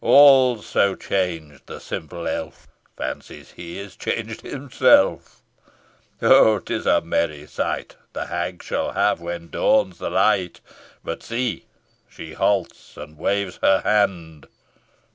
All's so changed, the simple elf Fancies he is changed himself! Ho! ho! 'tis a merry sight The hag shall have when dawns the light. But see! she halts and waves her hand.